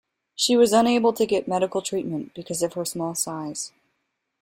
She was unable to get medical treatment because of her small size.